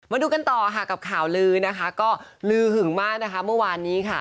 มาดูกันต่อค่ะกับข่าวลือนะคะก็ลือหึงมากนะคะเมื่อวานนี้ค่ะ